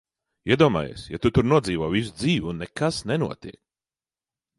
Iedomājies, ja tu tur nodzīvo visu dzīvi, un nekas nenotiek!